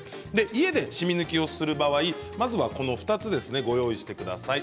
家でしみ抜きをする場合まずは２つを用意してください。